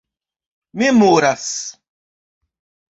memoras